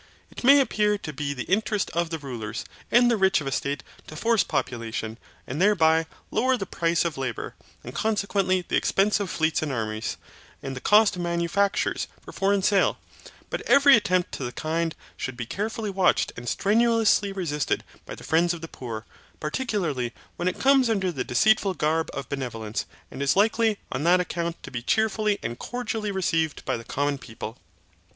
It may appear to be the interest of the rulers, and the rich of a state, to force population, and thereby lower the price of labour, and consequently the expense of fleets and armies, and the cost of manufactures for foreign sale; but every attempt of the kind should be carefully watched and strenuously resisted by the friends of the poor, particularly when it comes under the deceitful garb of benevolence, and is likely, on that account, to be cheerfully and cordially received by the common people.